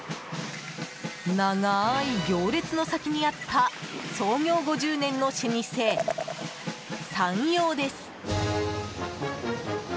長い行列の先にあった創業５０年の老舗、さんようです。